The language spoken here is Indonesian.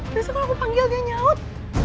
besok kalau aku panggil dia nyaut